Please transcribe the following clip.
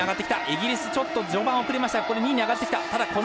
イギリスは序盤、遅れましたが２位に上がってきた。